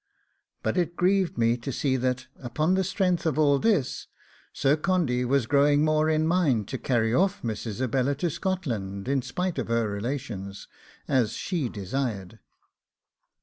But it grieved me to see that, upon the strength of all this, Sir Condy was growing more in the mind to carry off Miss Isabella to Scotland, in spite of her relations, as she desired.